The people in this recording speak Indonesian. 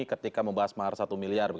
ketika membahas mahar satu miliar